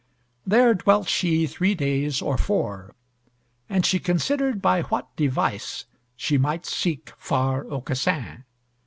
There dwelt she three days or four. And she considered by what device she might seek far Aucassin.